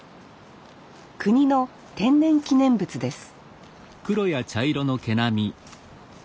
国の天然記念物です